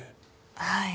はい。